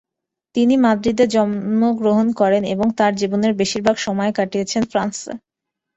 তিনি মাদ্রিদে জন্মগ্রহণ করেন এবং তার জীবনের বেশিরভাগ সময় কাটিয়েছেন ফ্রান্সে।